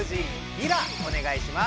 リラお願いします。